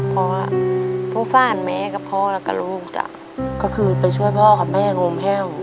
พอล่ะพ่อฟ่านแม่กับพ่อแล้วกับลูกจ้ะก็คือไปช่วยพ่อกับแม่งงแพ้ว